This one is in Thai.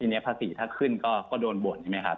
ทีนี้ภาษีถ้าขึ้นก็โดนบ่นใช่ไหมครับ